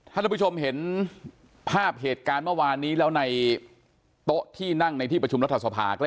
ท่านผู้ชมเห็นภาพเหตุการณ์เมื่อวานนี้แล้วในโต๊ะที่นั่งในที่ประชุมรัฐสภา